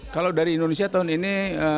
kalau dari indonesia tahun ini